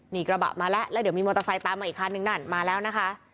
นี่กระบะมาแล้วแล้วเดี๋ยวมีมอเตอร์ไซค์ตามมาอีกคันนึงนั่นมาแล้วนะคะ